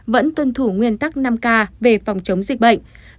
vẫn tuân thủ nguyên tắc năm k về phòng chống dịch bệnh